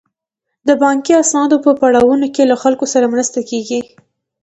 د بانکي اسنادو په پړاوونو کې له خلکو سره مرسته کیږي.